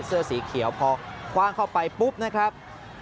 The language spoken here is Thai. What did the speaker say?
เสื้อสีเขียวพอคว่างเข้าไปปุ๊บนะครับ